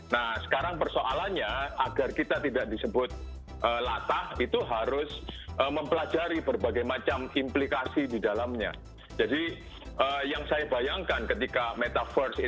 nah sekarang persoalannya agar kita tidak disebut latah itu harus mempelajarinya